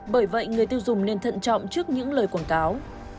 bởi vậy người tiêu dùng nên thận trọng trước những lời quảng cáo